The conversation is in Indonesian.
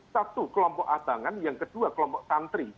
satu kelompok adangan yang kedua kelompok tantri